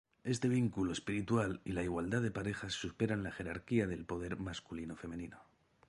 Este vínculo espiritual y la igualdad de parejas superan la jerarquía del poder masculino-femenino.